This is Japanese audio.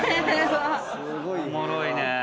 おもろいね。